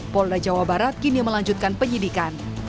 polda jawa barat kini melanjutkan penyidikan